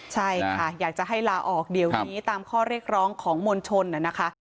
ใช่ค่ะอยากจะให้ลาออกเดี๋ยวนี้ตามข้อเรียกร้องของมวลชนนะคะ